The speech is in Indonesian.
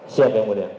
siap yang mulia